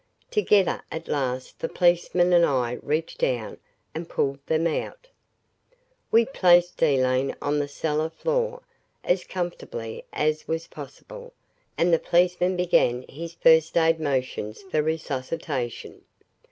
Together, at last, the policeman and I reached down and pulled them out. We placed Elaine on the cellar floor, as comfortably as was possible, and the policeman began his first aid motions for resuscitation.